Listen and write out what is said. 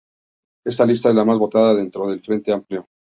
Esta lista es la más votada dentro del Frente Amplio.